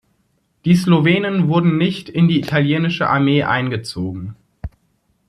Die Slowenen wurden nicht in die italienische Armee eingezogen.